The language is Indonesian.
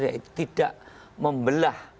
yaitu tidak membelah